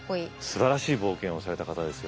すばらしい冒険をされた方ですよ。